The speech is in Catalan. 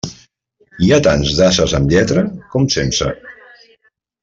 Hi ha tants d'ases amb lletra, com sense.